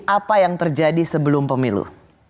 apa yang terjadi sebelum pemilu